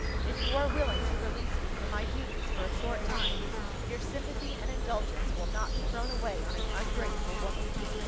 If you are willing to release me from my duties for a short time, your sympathy and indulgence will not be thrown away on an ungrateful woman.